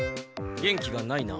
元気がないな。